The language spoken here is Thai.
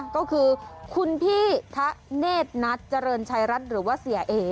ก็คือคุณพี่ทะเนธนัทเจริญชัยรัฐหรือว่าเสียเอ